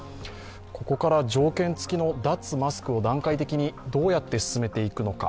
ここから条件付きの脱マスクを段階的にどうやって進めていくのか。